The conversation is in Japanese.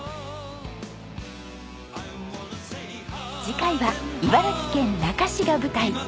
次回は茨城県那珂市が舞台。